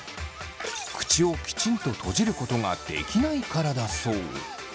口をきちんと閉じることができないからだそう。